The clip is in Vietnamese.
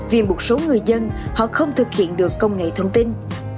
vì một số người dân họ không thực hiện được công nghệ thông tin